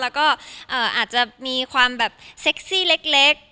แล้วก็อาจจะมีความแบบเซ็กซี่เล็ก